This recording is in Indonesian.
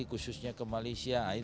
khususnya ke malaysia